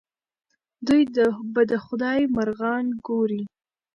دوی به د خدای مرغان ګوري.